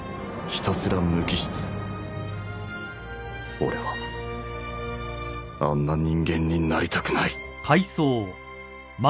俺はあんな人間になりたくない